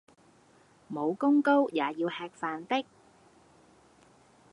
武功高也要吃飯的